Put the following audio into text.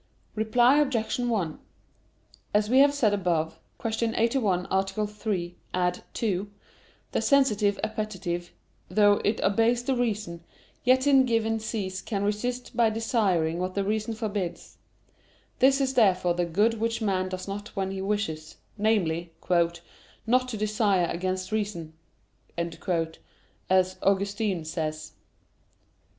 Reply Obj. 1: As we have said above (Q. 81, A. 3, ad 2), the sensitive appetite, though it obeys the reason, yet in a given case can resist by desiring what the reason forbids. This is therefore the good which man does not when he wishes namely, "not to desire against reason," as Augustine says.